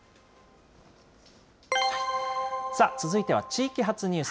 さあ、続いては地域発ニュース。